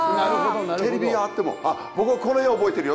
テレビがあってもあっ僕はこの辺覚えてるよ。